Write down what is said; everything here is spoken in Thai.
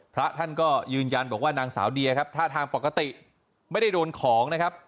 พระท่านก็ยืนยันบอกว่านางสาวเดียครับท่าทางปกติไม่ได้โดนของนะครับ